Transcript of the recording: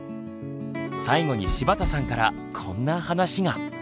最後に柴田さんからこんな話が。